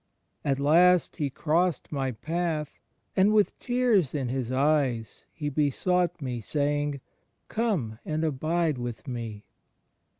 At last He crossed my path and with tears in His eyes He besought me sa3dng. Come and abide with me.